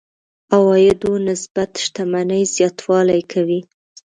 عوایدو نسبت شتمنۍ زياتوالی کوي.